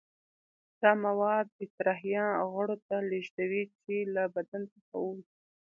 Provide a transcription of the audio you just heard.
دا مواد اطراحیه غړو ته لیږدوي چې له بدن څخه ووځي.